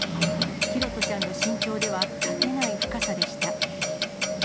拓杜ちゃんの身長では立てない深さでした。